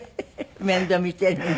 面倒見ているんで。